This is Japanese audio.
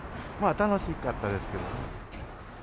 楽しかったですけど。